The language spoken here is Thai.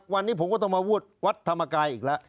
วันนี้ผมก็ต้องมาบวชวัดธรรมกายอีกแล้ว